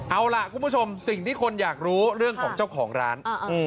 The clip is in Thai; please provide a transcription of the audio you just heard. เอาล่ะคุณผู้ชมสิ่งที่คนอยากรู้เรื่องของเจ้าของร้าน